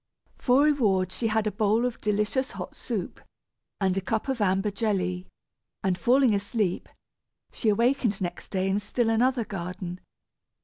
For reward, she had a bowl of delicious hot soup, and a cup of amber jelly, and falling asleep, she awakened next day in still another garden.